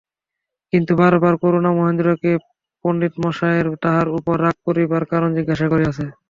কিন্তু বারবার করুণা মহেন্দ্রকে পণ্ডিতমহাশয়ের তাহার উপর রাগ করিবার কারণ জিজ্ঞাসা করিয়াছে।